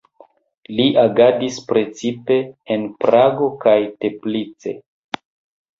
Li agadis precipe en Prago kaj Teplice.